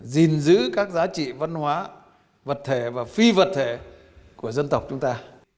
gìn giữ các giá trị văn hóa vật thể và phi vật thể của dân tộc chúng ta